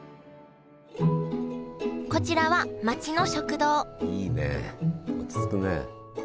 こちらは町の食堂いいね落ち着くね。